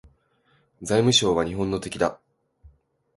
財務省は日本の敵だ